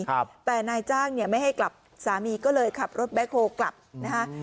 ครับแต่นายจ้างเนี่ยไม่ให้กลับสามีก็เลยขับรถแบ็คโฮลกลับนะฮะ